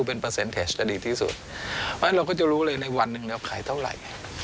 เพราะฉะนั้นเราก็จะรู้เลยในวันนึงเราขายเท่าไร